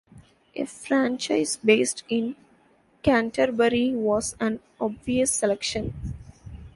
A franchise based in Canterbury was an obvious selection.